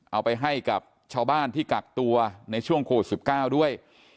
เอาไปให้กับชาวบ้านที่กักตัวในช่วงโควิด๑๙ด้วย